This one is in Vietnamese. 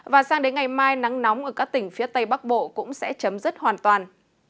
và sang đến ngày mai nắng nóng ở các tỉnh phía tây bắc bộ cũng sẽ chấm dứt hoàn toàn